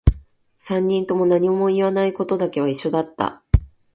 三人とも何も言わないことだけは一緒だった